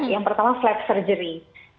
yang pertama flap surgery